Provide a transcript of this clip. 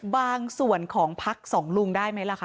บางส่วนของพักสองลุงได้ไหมล่ะคะ